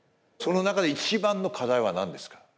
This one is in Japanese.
その中で一番の課題は何ですか？